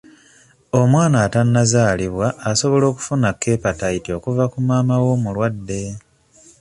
Omwana atanazaalibwa asobola okufuna kepatayiti okuva ku maama we omulwadde.